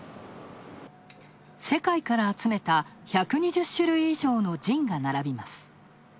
世界から集めた１２０種類以上のジンが並びます。